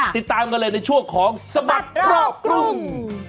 ติดตามกันเลยในช่วงของสบัดรอบกรุง